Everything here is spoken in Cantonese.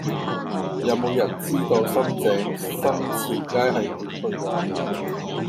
有無人知道深井深慈街係點去㗎